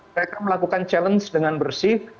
mereka melakukan challenge dengan bersih